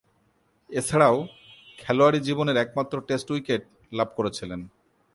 এছাড়াও, খেলোয়াড়ী জীবনের একমাত্র টেস্ট উইকেট লাভ করেছিলেন।